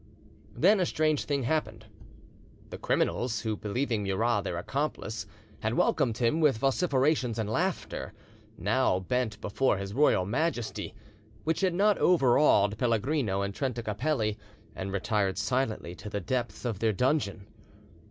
Then a strange thing happened: the criminals, who, believing Murat their accomplice, had welcomed him with vociferations and laughter, now bent before his royal majesty, which had not overawed Pellegrino and Trenta Capelli, and retired silently to the depths of their dungeon.